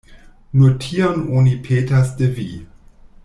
Nur tion oni petas de vi.